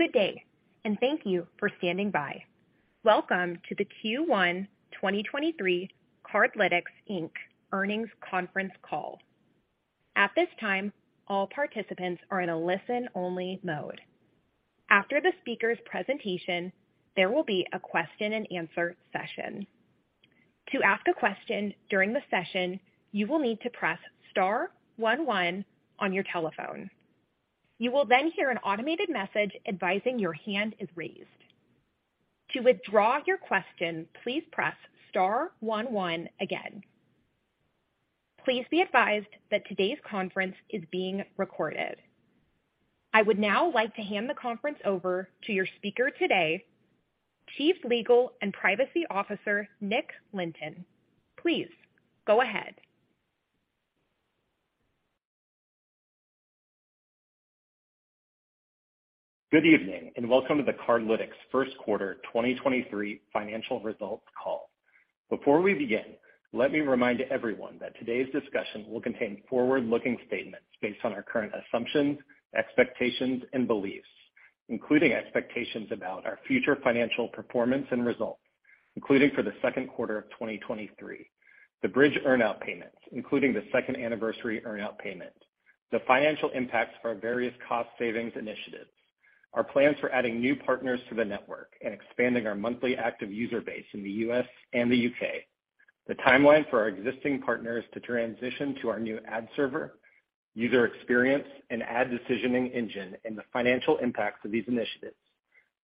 Good day. Thank you for standing by. Welcome to the Q1 2023 Cardlytics, Inc. earnings conference call. At this time, all participants are in a listen-only mode. After the speaker's presentation, there will be a question and answer session. To ask a question during the session, you will need to press star one one on your telephone. You will hear an automated message advising your hand is raised. To withdraw your question, please press star one one again. Please be advised that today's conference is being recorded. I would now like to hand the conference over to your speaker today, Chief Legal and Privacy Officer Nick Lynton. Please go ahead. Good evening, welcome to the Cardlytics first quarter 2023 financial results call. Before we begin, let me remind everyone that today's discussion will contain forward-looking statements based on our current assumptions, expectations, and beliefs, including expectations about our future financial performance and results, including for the second quarter of 2023, the Bridg earnout payments, including the 2nd anniversary earnout payment, the financial impacts of our various cost savings initiatives, our plans for adding new partners to the network and expanding our monthly active user base in the U.S. and the U.K., the timeline for our existing partners to transition to our new ad server, user experience, and ad decisioning engine, and the financial impacts of these initiatives,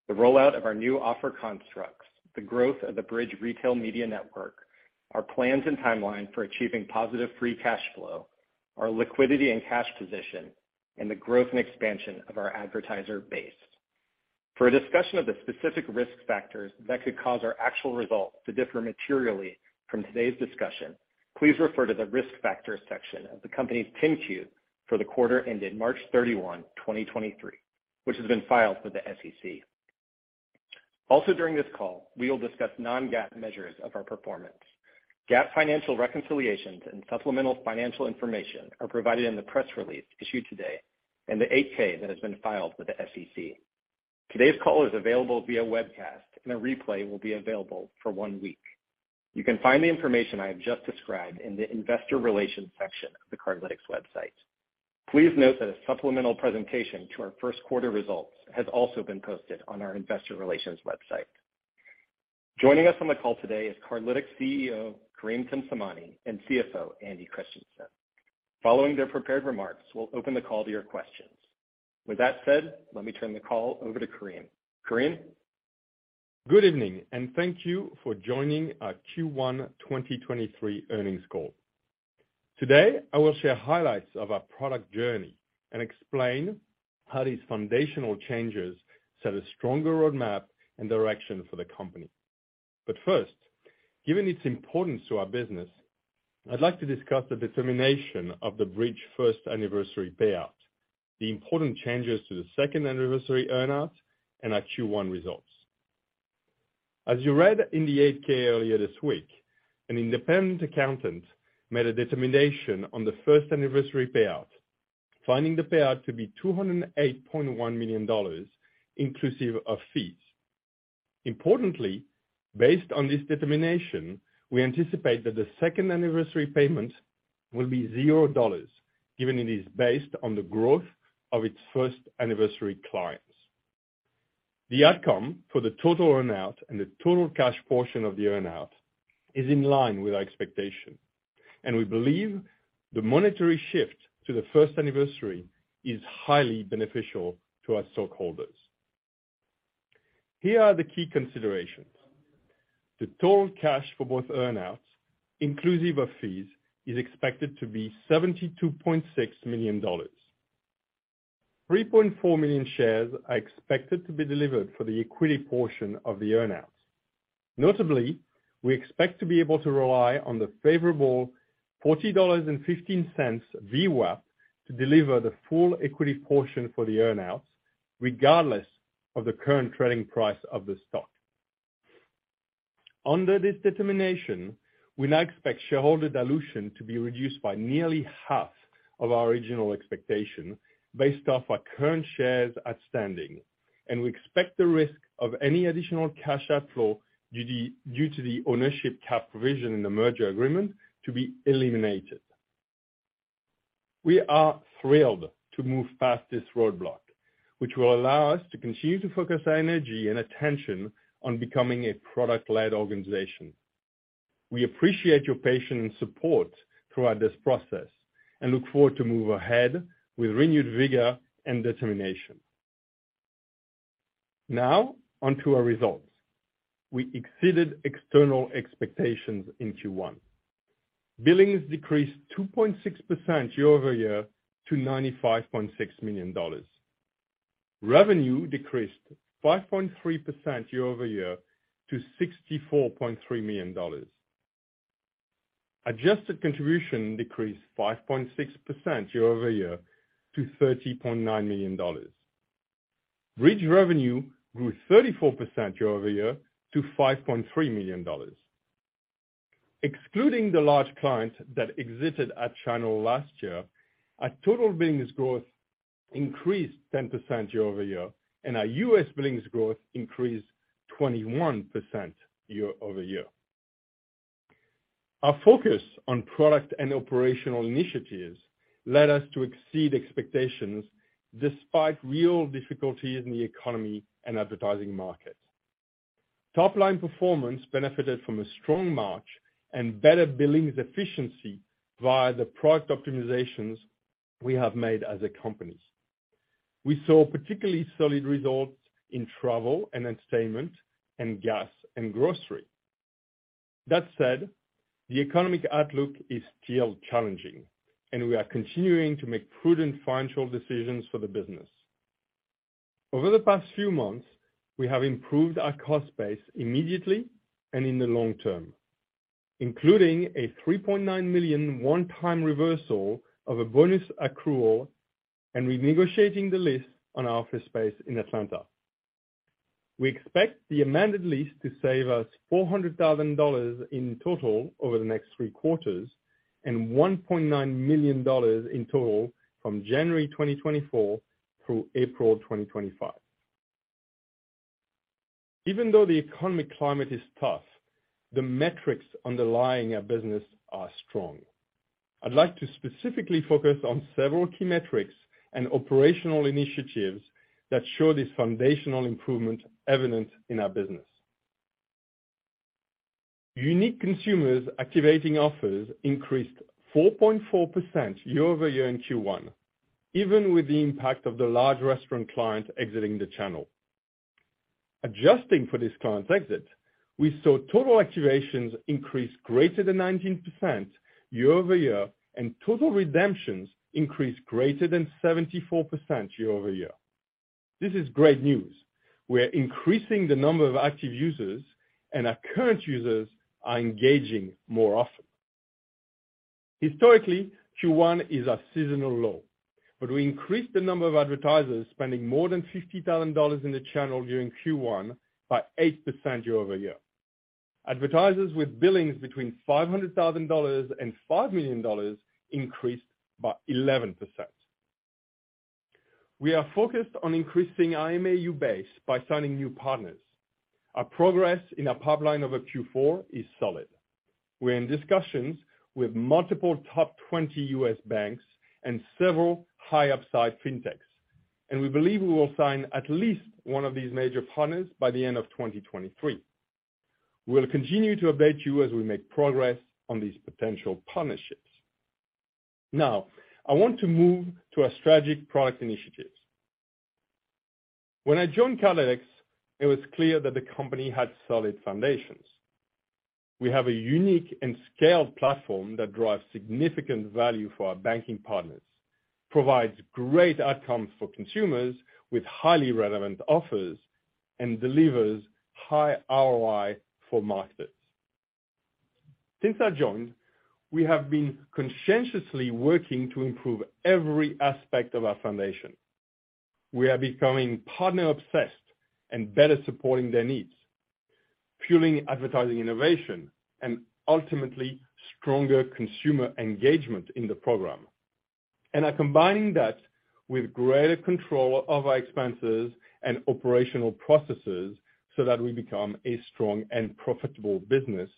the rollout of our new offer constructs, the growth of the Bridge Retail Media Network, our plans and timeline for achieving positive free cash flow, our liquidity and cash position, and the growth and expansion of our advertiser base. For a discussion of the specific risk factors that could cause our actual results to differ materially from today's discussion, please refer to the Risk Factors section of the company's Form 10-Q for the quarter ended March 31, 2023, which has been filed with the SEC. During this call, we will discuss non-GAAP measures of our performance. GAAP financial reconciliations and supplemental financial information are provided in the press release issued today and the Form 8-K that has been filed with the SEC. Today's call is available via webcast, and a replay will be available for one week. You can find the information I have just described in the Investor Relations section of the Cardlytics website. Please note that a supplemental presentation to our first quarter results has also been posted on our investor relations website. Joining us on the call today is Cardlytics CEO Karim Temsamani and CFO Andy Christiansen. Following their prepared remarks, we'll open the call to your questions. With that said, let me turn the call over to Karim. Karim? Good evening, thank you for joining our Q1 2023 earnings call. Today, I will share highlights of our product journey and explain how these foundational changes set a stronger roadmap and direction for the company. First, given its importance to our business, I'd like to discuss the determination of the Bridg first anniversary payout, the important changes to the second anniversary earnout, and our Q1 results. As you read in the Form 8-K earlier this week, an independent accountant made a determination on the first anniversary payout, finding the payout to be $208.1 million inclusive of fees. Importantly, based on this determination, we anticipate that the second anniversary payment will be $0, given it is based on the growth of its first anniversary clients. The outcome for the total earnout and the total cash portion of the earnout is in line with our expectation, and we believe the monetary shift to the first anniversary is highly beneficial to our stockholders. Here are the key considerations. The total cash for both earnouts, inclusive of fees, is expected to be $72.6 million. 3.4 million shares are expected to be delivered for the equity portion of the earnouts. Notably, we expect to be able to rely on the favorable $40.15 VWAP to deliver the full equity portion for the earnouts regardless of the current trading price of the stock. Under this determination, we now expect shareholder dilution to be reduced by nearly half of our original expectation based off our current shares outstanding, and we expect the risk of any additional cash outflow due to the ownership cap provision in the merger agreement to be eliminated. We are thrilled to move past this roadblock, which will allow us to continue to focus our energy and attention on becoming a product-led organization. We appreciate your patience and support throughout this process and look forward to move ahead with renewed vigor and determination. Now on to our results. We exceeded external expectations in Q1. Billings decreased 2.6% year-over-year to $95.6 million. Revenue decreased 5.3% year-over-year to $64.3 million. Adjusted contribution decreased 5.6% year-over-year to $30.9 million. Bridg revenue grew 34% year-over-year to $5.3 million. Excluding the large client that exited our channel last year, our total billings growth increased 10% year-over-year, and our U.S. billings growth increased 21% year-over-year. Our focus on product and operational initiatives led us to exceed expectations despite real difficulties in the economy and advertising market. Top line performance benefited from a strong March and better billings efficiency via the product optimizations we have made as a company. We saw particularly solid results in travel and entertainment and gas and grocery. That said, the economic outlook is still challenging, and we are continuing to make prudent financial decisions for the business. Over the past few months, we have improved our cost base immediately and in the long term, including a $3.9 million one-time reversal of a bonus accrual and renegotiating the lease on our office space in Atlanta. We expect the amended lease to save us $400,000 in total over the next three quarters and $1.9 million in total from January 2024 through April 2025. Even though the economic climate is tough, the metrics underlying our business are strong. I'd like to specifically focus on several key metrics and operational initiatives that show this foundational improvement evident in our business. Unique consumers activating offers increased 4.4% year-over-year in Q1, even with the impact of the large restaurant client exiting the channel. Adjusting for this client's exit, we saw total activations increase greater than 19% year-over-year, and total redemptions increase greater than 74% year-over-year. This is great news. We're increasing the number of active users, and our current users are engaging more often. Historically, Q1 is our seasonal low, we increased the number of advertisers spending more than $50,000 in the channel during Q1 by 8% year-over-year. Advertisers with billings between $500,000 and $5 million increased by 11%. We are focused on increasing our MAU base by signing new partners. Our progress in our pipeline over Q4 is solid. We're in discussions with multiple top 20 U.S. banks and several high upside fintechs, and we believe we will sign at least one of these major partners by the end of 2023. We'll continue to update you as we make progress on these potential partnerships. Now, I want to move to our strategic product initiatives. When I joined Cardlytics, it was clear that the company had solid foundations. We have a unique and scaled platform that drives significant value for our banking partners, provides great outcomes for consumers with highly relevant offers, and delivers high ROI for marketers. Since I joined, we have been conscientiously working to improve every aspect of our foundation. We are becoming partner obsessed and better supporting their needs, fueling advertising innovation and ultimately stronger consumer engagement in the program. Are combining that with greater control of our expenses and operational processes so that we become a strong and profitable business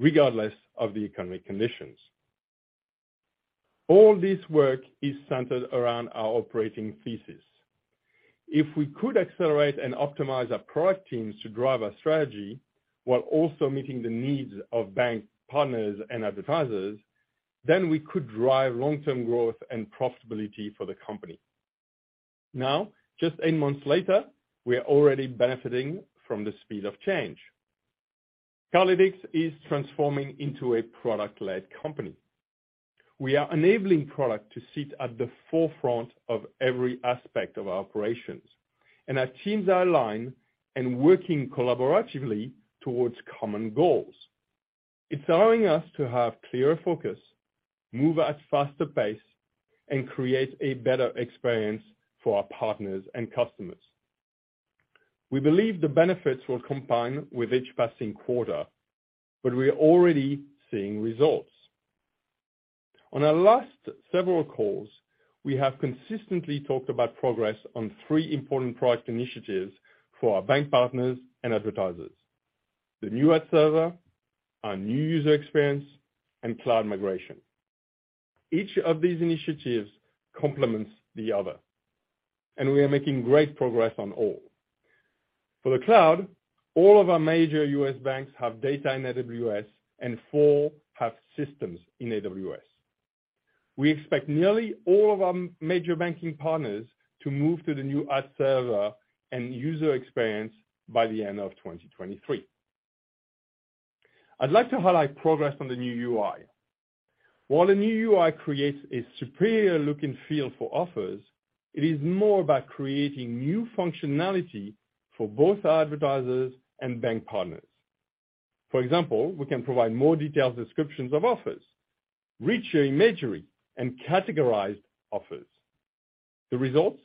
regardless of the economic conditions. All this work is centered around our operating thesis. If we could accelerate and optimize our product teams to drive our strategy while also meeting the needs of bank partners and advertisers, then we could drive long-term growth and profitability for the company. Now, just eight months later, we are already benefiting from the speed of change. Cardlytics is transforming into a product-led company. We are enabling product to sit at the forefront of every aspect of our operations, and our teams are aligned and working collaboratively towards common goals. It's allowing us to have clearer focus, move at faster pace, and create a better experience for our partners and customers. We believe the benefits will combine with each passing quarter, but we are already seeing results. On our last several calls, we have consistently talked about progress on three important product initiatives for our bank partners and advertisers. The new ad server, our new user experience, and cloud migration. Each of these initiatives complements the other, and we are making great progress on all. For the cloud, all of our major U.S. banks have data in AWS, and four have systems in AWS. We expect nearly all of our major banking partners to move to the new ad server and user experience by the end of 2023. I'd like to highlight progress on the new UI. While a new UI creates a superior look and feel for offers, it is more about creating new functionality for both our advertisers and bank partners. For example, we can provide more detailed descriptions of offers, richer imagery, and categorized offers. The results,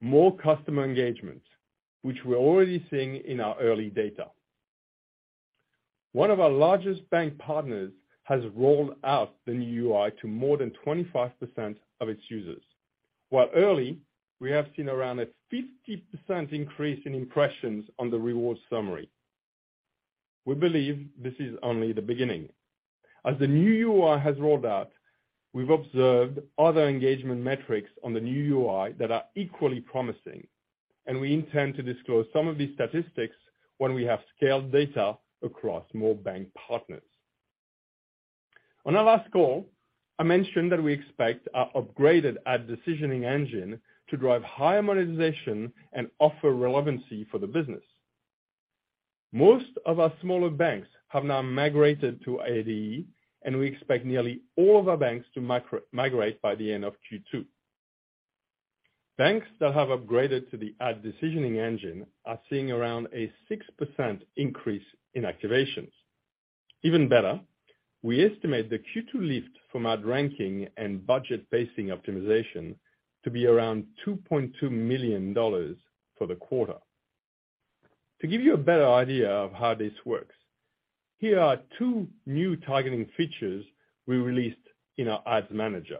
more customer engagement, which we're already seeing in our early data. One of our largest bank partners has rolled out the new UI to more than 25% of its users. While early, we have seen around a 50% increase in impressions on the reward summary. We believe this is only the beginning. The new UI has rolled out, we've observed other engagement metrics on the new UI that are equally promising, and we intend to disclose some of these statistics when we have scaled data across more bank partners. On our last call, I mentioned that we expect our upgraded ad decisioning engine to drive higher monetization and offer relevancy for the business. Most of our smaller banks have now migrated to ADE, and we expect nearly all of our banks to migrate by the end of Q2. Banks that have upgraded to the ad decisioning engine are seeing around a 6% increase in activations. We estimate the Q2 lift from ad ranking and budget-basing optimization to be around $2.2 million for the quarter. To give you a better idea of how this works, here are two new targeting features we released in our Ads Manager.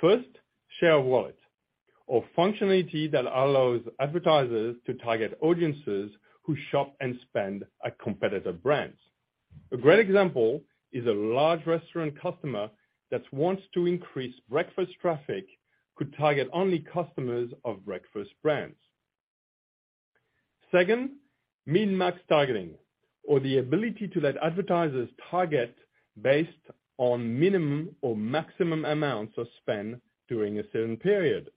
First, share of wallet, or functionality that allows advertisers to target audiences who shop and spend at competitor brands. A great example is a large restaurant customer that wants to increase breakfast traffic could target only customers of breakfast brands. Second, min-max targeting, or the ability to let advertisers target based on minimum or maximum amounts of spend during a certain period.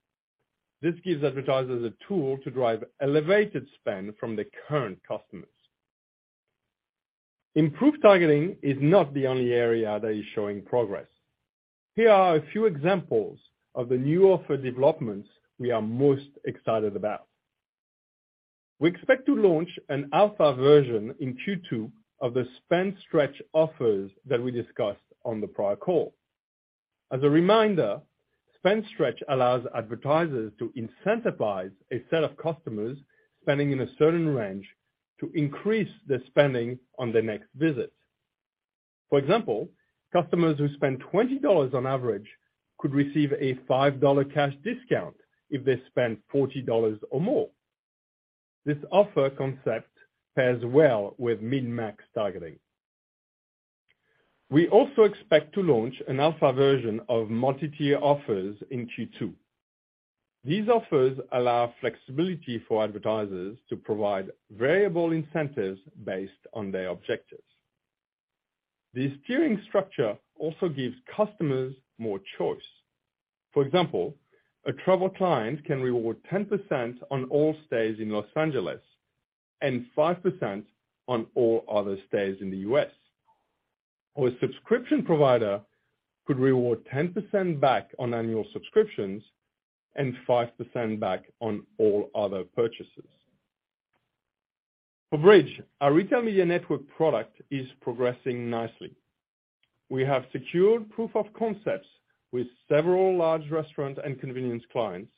This gives advertisers a tool to drive elevated spend from their current customers. Improved targeting is not the only area that is showing progress. Here are a few examples of the new offer developments we are most excited about. We expect to launch an alpha version in Q2 of the spend stretch offers that we discussed on the prior call. As a reminder, spend stretch allows advertisers to incentivize a set of customers spending in a certain range to increase their spending on their next visit. For example, customers who spend $20 on average could receive a $5 cash discount if they spend $40 or more. This offer concept pairs well with min-max targeting. We also expect to launch an alpha version of multi-tier offers in Q2. These offers allow flexibility for advertisers to provide variable incentives based on their objectives. This tiering structure also gives customers more choice. For example, a travel client can reward 10% on all stays in Los Angeles and 5% on all other stays in the U.S. A subscription provider could reward 10% back on annual subscriptions and 5% back on all other purchases. For Bridg, our retail media network product is progressing nicely. We have secured proof of concepts with several large restaurant and convenience clients,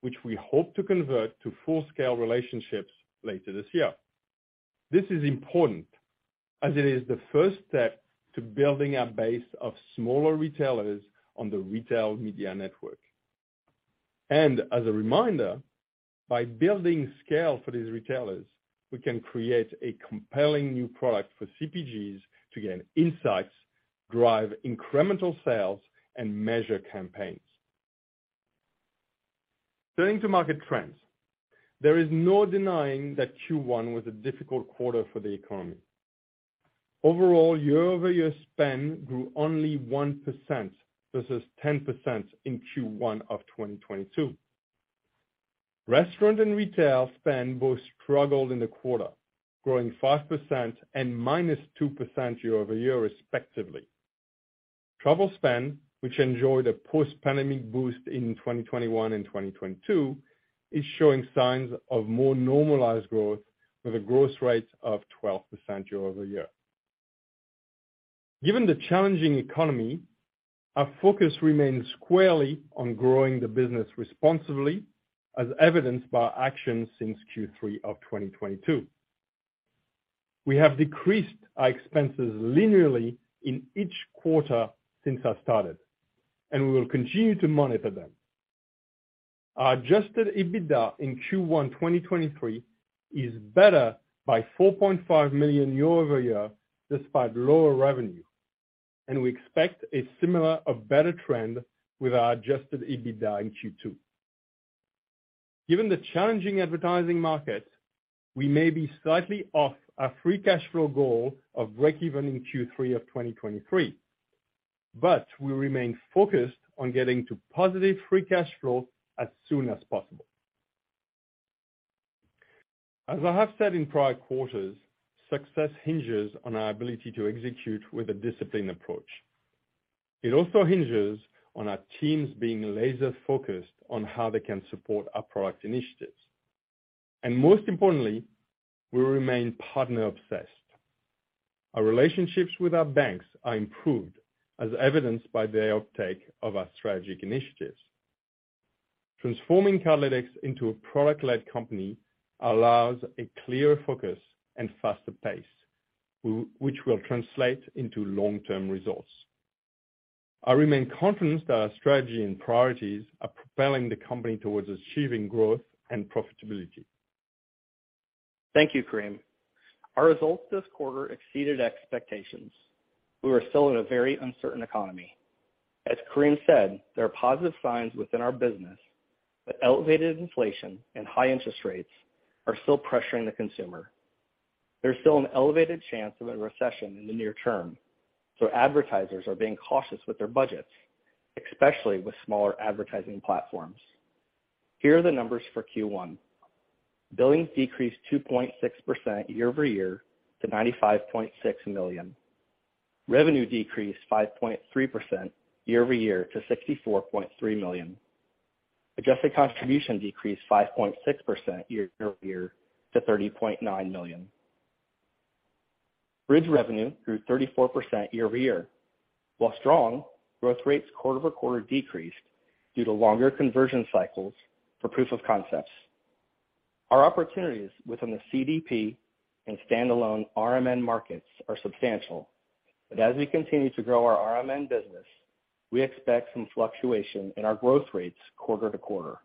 which we hope to convert to full-scale relationships later this year. This is important as it is the first step to building a base of smaller retailers on the retail media network. As a reminder, by building scale for these retailers, we can create a compelling new product for CPGs to gain insights, drive incremental sales, and measure campaigns. Turning to market trends. There is no denying that Q1 was a difficult quarter for the economy. Overall, year-over-year spend grew only 1% versus 10% in Q1 of 2022. Restaurant and retail spend both struggled in the quarter, growing 5% and -2% year-over-year respectively. Travel spend, which enjoyed a post-pandemic boost in 2021 and 2022, is showing signs of more normalized growth with a growth rate of 12% year-over-year. Given the challenging economy, our focus remains squarely on growing the business responsibly, as evidenced by our actions since Q3 of 2022. We have decreased our expenses linearly in each quarter since I started, and we will continue to monitor them. Our adjusted EBITDA in Q1 2023 is better by $4.5 million year-over-year despite lower revenue. We expect a similar or better trend with our adjusted EBITDA in Q2. Given the challenging advertising market, we may be slightly off our free cash flow goal of breakeven in Q3 of 2023, but we remain focused on getting to positive free cash flow as soon as possible. As I have said in prior quarters, success hinges on our ability to execute with a disciplined approach. It also hinges on our teams being laser-focused on how they can support our product initiatives. Most importantly, we remain partner obsessed. Our relationships with our banks are improved, as evidenced by their uptake of our strategic initiatives. Transforming Cardlytics into a product-led company allows a clear focus and faster pace, which will translate into long-term results. I remain confident that our strategy and priorities are propelling the company towards achieving growth and profitability. Thank you, Karim. Our results this quarter exceeded expectations. We are still in a very uncertain economy. As Karim said, there are positive signs within our business. Elevated inflation and high interest rates are still pressuring the consumer. There's still an elevated chance of a recession in the near term. Advertisers are being cautious with their budgets, especially with smaller advertising platforms. Here are the numbers for Q1. Billings decreased 2.6% year-over-year to $95.6 million. Revenue decreased 5.3% year-over-year to $64.3 million. Adjusted contribution decreased 5.6% year-over-year to $30.9 million. Bridg revenue grew 34% year-over-year. While strong, growth rates quarter-over-quarter decreased due to longer conversion cycles for proof of concepts. Our opportunities within the CDP and standalone RMN markets are substantial. As we continue to grow our RMN business, we expect some fluctuation in our growth rates quarter to quarter.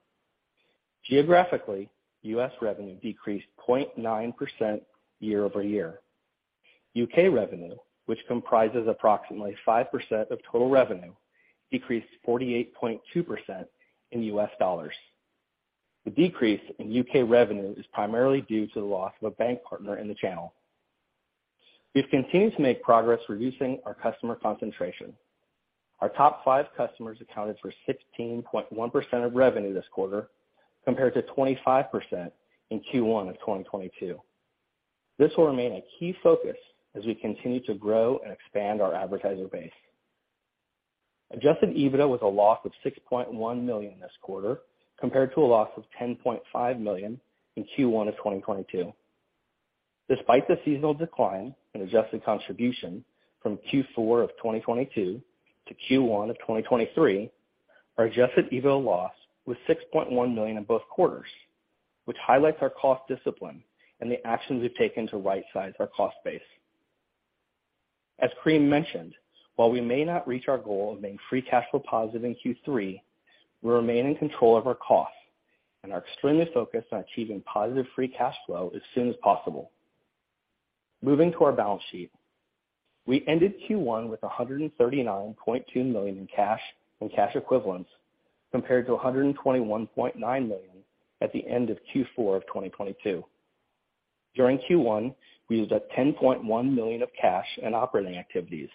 Geographically, US revenue decreased 0.9% year-over-year. U.K. revenue, which comprises approximately 5% of total revenue, decreased 48.2% in US dollars. The decrease in U.K. revenue is primarily due to the loss of a bank partner in the channel. We've continued to make progress reducing our customer concentration. Our top five customers accounted for 16.1% of revenue this quarter, compared to 25% in Q1 of 2022. This will remain a key focus as we continue to grow and expand our advertiser base. Adjusted EBITDA was a loss of $6.1 million this quarter, compared to a loss of $10.5 million in Q1 of 2022. Despite the seasonal decline in adjusted contribution from Q4 of 2022 to Q1 of 2023, our adjusted EBITDA loss was $6.1 million in both quarters, which highlights our cost discipline and the actions we've taken to rightsize our cost base. As Karim mentioned, while we may not reach our goal of being free cash flow positive in Q3, we remain in control of our costs and are extremely focused on achieving positive free cash flow as soon as possible. Moving to our balance sheet. We ended Q1 with $139.2 million in cash and cash equivalents, compared to $121.9 million at the end of Q4 of 2022. During Q1, we used up $10.1 million of cash in operating activities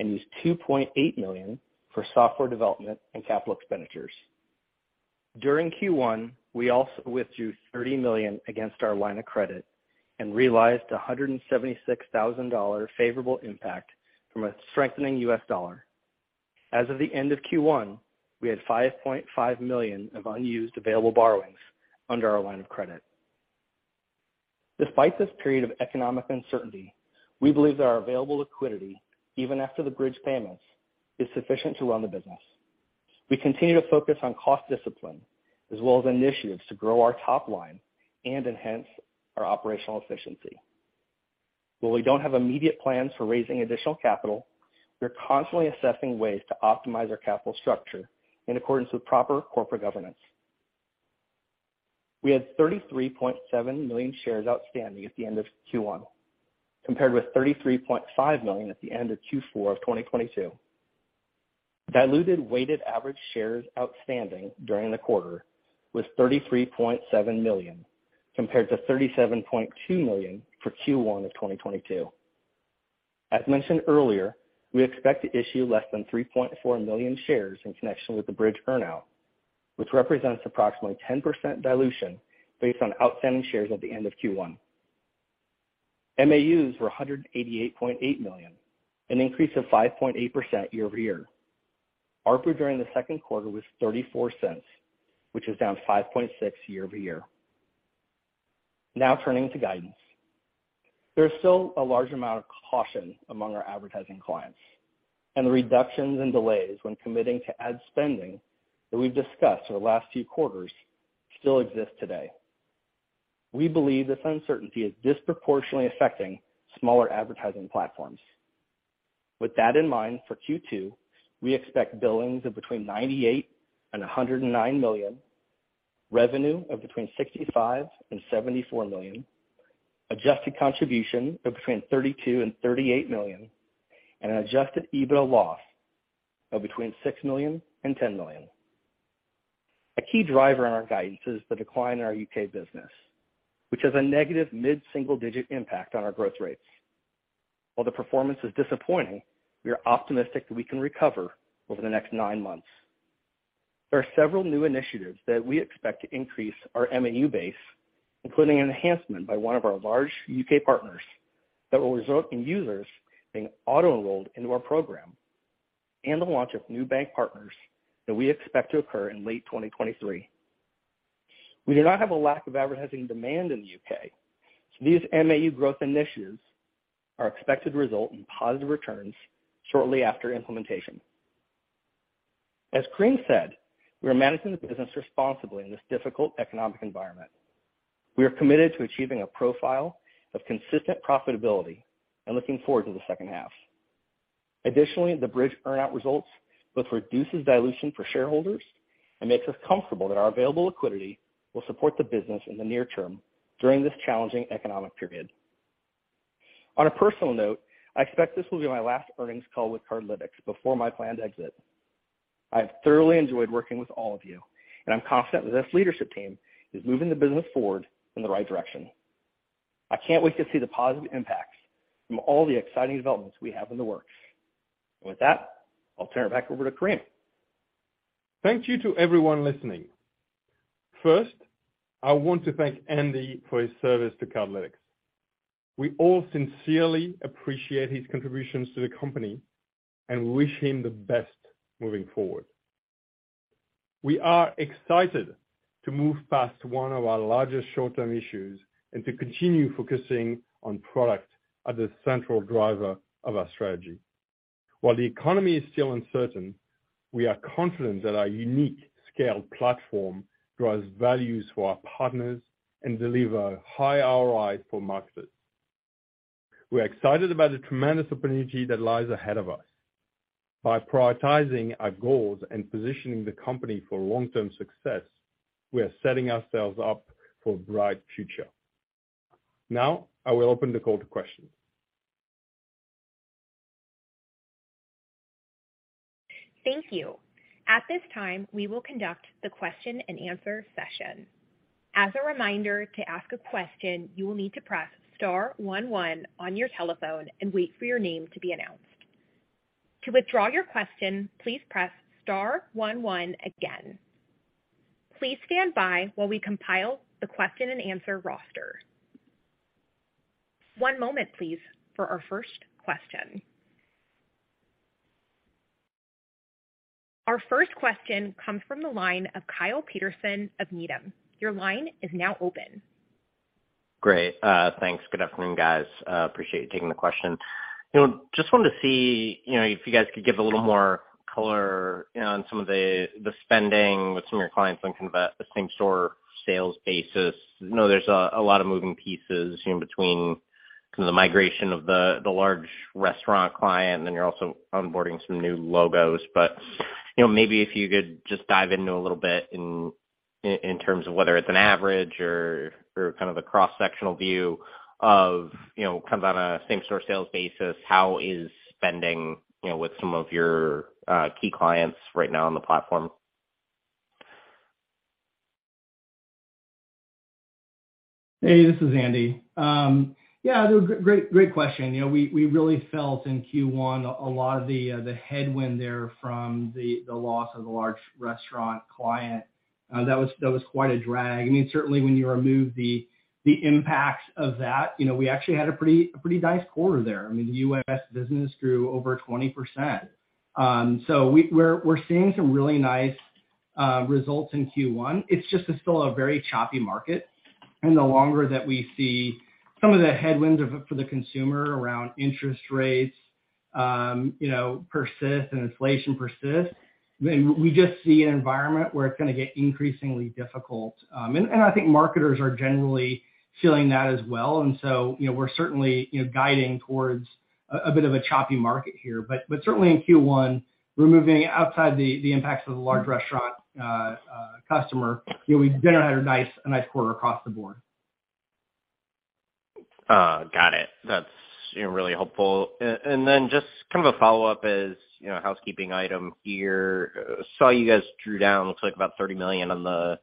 and used $2.8 million for software development and capital expenditures. During Q1, we also withdrew $30 million against our line of credit and realized a $176,000 favorable impact from a strengthening US dollar. As of the end of Q1, we had $5.5 million of unused available borrowings under our line of credit. Despite this period of economic uncertainty, we believe that our available liquidity, even after the Bridg payments, is sufficient to run the business. We continue to focus on cost discipline as well as initiatives to grow our top line and enhance our operational efficiency. While we don't have immediate plans for raising additional capital, we are constantly assessing ways to optimize our capital structure in accordance with proper corporate governance. We had 33.7 million shares outstanding at the end of Q1, compared with 33.5 million at the end of Q4 of 2022. Diluted weighted average shares outstanding during the quarter was 33.7 million, compared to 37.2 million for Q1 of 2022. As mentioned earlier, we expect to issue less than 3.4 million shares in connection with the Bridg earnout, which represents approximately 10% dilution based on outstanding shares at the end of Q1. MAUs were 188.8 million, an increase of 5.8% year-over-year. ARPU during the second quarter was $0.34, which is down 5.6% year-over-year. Turning to guidance. There is still a large amount of caution among our advertising clients, the reductions and delays when committing to ad spending that we've discussed over the last few quarters still exist today. We believe this uncertainty is disproportionately affecting smaller advertising platforms. With that in mind, for Q2, we expect billings of between $98 million and $109 million, revenue of between $65 million and $74 million, adjusted contribution of between $32 million and $38 million, and an adjusted EBITDA loss of between $6 million and $10 million. A key driver in our guidance is the decline in our U.K. business, which has a negative mid-single-digit impact on our growth rates. While the performance is disappointing, we are optimistic that we can recover over the next nine months. There are several new initiatives that we expect to increase our MAU base, including an enhancement by one of our large U.K. partners that will result in users being auto-enrolled into our program and the launch of new bank partners that we expect to occur in late 2023. We do not have a lack of advertising demand in the U.K. These MAU growth initiatives are expected to result in positive returns shortly after implementation. As Karim said, we are managing the business responsibly in this difficult economic environment. We are committed to achieving a profile of consistent profitability and looking forward to the second half. Additionally, the Bridg earn out results both reduces dilution for shareholders and makes us comfortable that our available liquidity will support the business in the near term during this challenging economic period. On a personal note, I expect this will be my last earnings call with Cardlytics before my planned exit. I have thoroughly enjoyed working with all of you, and I'm confident that this leadership team is moving the business forward in the right direction. I can't wait to see the positive impacts from all the exciting developments we have in the works. With that, I'll turn it back over to Karim. Thank you to everyone listening. First, I want to thank Andy for his service to Cardlytics. We all sincerely appreciate his contributions to the company and wish him the best moving forward. We are excited to move past one of our largest short-term issues and to continue focusing on product as a central driver of our strategy. While the economy is still uncertain, we are confident that our unique scaled platform drives values for our partners and deliver high ROI for marketers. We're excited about the tremendous opportunity that lies ahead of us. By prioritizing our goals and positioning the company for long-term success, we are setting ourselves up for a bright future. Now, I will open the call to questions. Thank you. At this time, we will conduct the question-and-answer session. As a reminder, to ask a question, you will need to press star one one on your telephone and wait for your name to be announced. To withdraw your question, please press star one one again. Please stand by while we compile the question-and-answer roster. One moment please for our first question. Our first question comes from the line of Kyle Peterson of Needham. Your line is now open. Great. Thanks. Good afternoon, guys. Appreciate you taking the question. You know, just wanted to see, you know, if you guys could give a little more color, you know, on some of the spending with some of your clients on kind of a same-store sales basis. I know there's a lot of moving pieces, you know, between some of the migration of the large restaurant client, and then you're also onboarding some new logos. You know, maybe if you could just dive into a little bit in terms of whether it's an average or kind of a cross-sectional view of, you know, kind of on a same-store sales basis, how is spending, you know, with some of your key clients right now on the platform? Hey, this is Andy. Yeah, great question. You know, we really felt in Q1 a lot of the headwind there from the loss of the large restaurant client. That was quite a drag. I mean, certainly when you remove the impact of that, you know, we actually had a pretty nice quarter there. I mean, the U.S. business grew over 20%. We're seeing some really nice results in Q1. It's just it's still a very choppy market. The longer that we see some of the headwinds for the consumer around interest rates, you know, persist and inflation persist, then we just see an environment where it's gonna get increasingly difficult. And I think marketers are generally feeling that as well. You know, we're certainly, you know, guiding towards a bit of a choppy market here. Certainly in Q1, removing outside the impacts of the large restaurant customer, you know, we generally had a nice quarter across the board. Got it. That's, you know, really helpful. Then just kind of a follow-up is, you know, housekeeping item here. Saw you guys drew down looks like about $30 million on the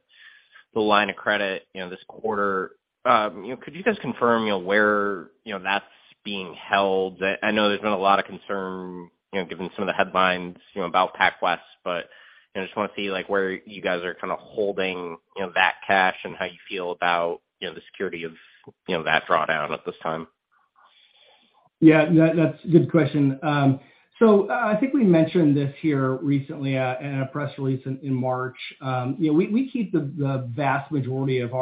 line of credit, you know, this quarter. You know, could you guys confirm, you know, where, you know, that's being held? I know there's been a lot of concern, you know, given some of the headlines, you know, about PacWest Bancorp, but, you know, just wanna see, like, where you guys are kinda holding, you know, that cash and how you feel about, you know, the security of, you know, that drawdown at this time. Yeah, that's a good question. I think we mentioned this here recently in a press release in March. You know, we keep the vast majority of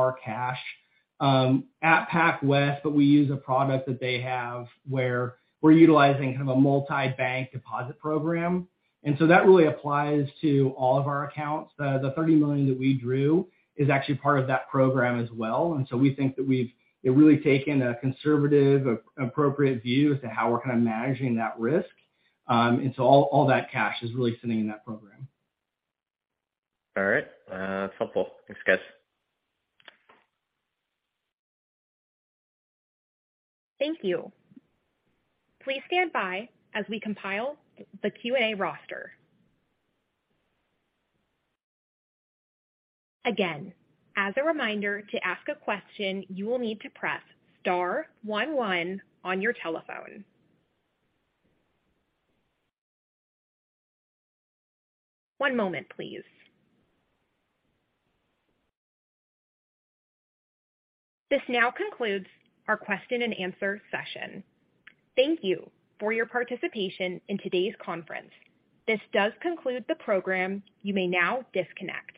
our cash at PacWest Bancorp, but we use a product that they have where we're utilizing kind of a multi-bank deposit program. That really applies to all of our accounts. The $30 million that we drew is actually part of that program as well. We think that we've, you know, really taken a conservative, appropriate view as to how we're kind of managing that risk. All that cash is really sitting in that program. All right. That's helpful. Thanks, guys. Thank you. Please stand by as we compile the Q&A roster. Again, as a reminder, to ask a question, you will need to press star one one on your telephone. One moment, please. This now concludes our question-and-answer session. Thank you for your participation in today's conference. This does conclude the program. You may now disconnect.